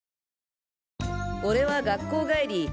俺は学校帰り